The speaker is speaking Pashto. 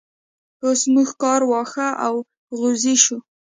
اوس موږ کار واښ او غوزی شو.